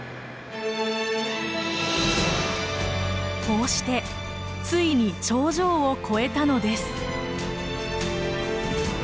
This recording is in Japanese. こうしてついに長城を越えたのです。